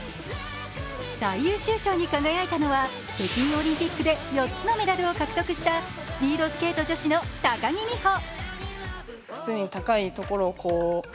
最優秀賞に輝いたのは北京オリンピックで４つのメダルを獲得したスピードスケート女子の高木美帆。